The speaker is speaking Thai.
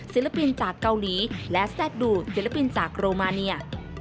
ศิลปินจากเกาหลีและแทรกดูดศิลปินจากโรมาเนีย